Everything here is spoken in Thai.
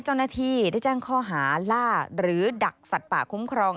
เจ้าหน้าที่ได้แจ้งข้อหาล่าหรือดักสัตว์ป่าคุ้มครอง